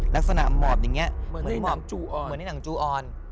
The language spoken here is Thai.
ลักษณะหมอบอย่างนี้เหมือนในหนังจูออนเหมือนในหนังจูออน